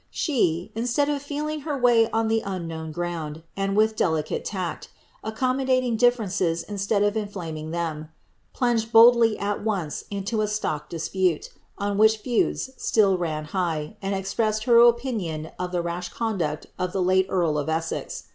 She, instead of feeling her way on the unknown ground, and, with delicate tact, accommodating differences instead of inflaming them, plunged boldly at once into a stock dispute, on which feuds still ran high, and expressed her opinion of the rash conduct of the late earl of Essex.